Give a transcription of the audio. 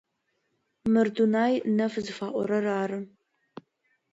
Мыр Дунай нэф зыфаӏорэр ары.